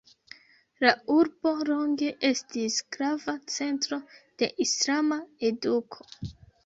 La urbo longe estis grava centro de islama eduko.